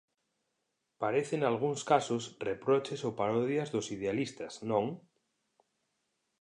Parece nalgúns casos reproches ou parodias dos idealistas, non?